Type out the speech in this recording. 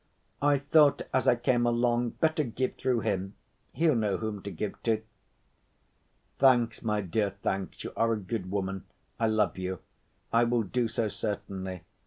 I thought as I came along, better give through him. He'll know whom to give to." "Thanks, my dear, thanks! You are a good woman. I love you. I will do so certainly.